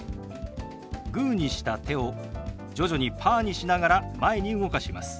グーにした手を徐々にパーにしながら前に動かします。